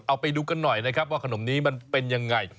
เอาไปดูกันหน่อยนะครับว่าขนมนี้มันเป็นยังไง